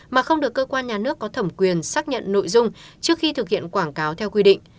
mà không được cơ quan nhà nước có thẩm quyền xác nhận nội dung trước khi thực hiện quảng cáo theo quy định